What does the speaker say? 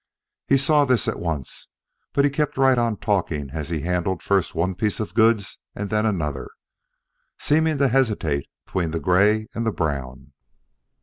He saw this at once, but he kept right on talking as he handled first one piece of goods and then another, seeming to hesitate between the gray and the brown.